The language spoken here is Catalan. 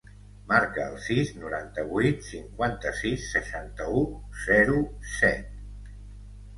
Marca el sis, noranta-vuit, cinquanta-sis, seixanta-u, zero, set.